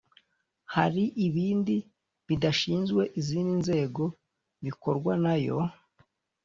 hari ibindi bidashinzwe izindi nzego bikorwa nayo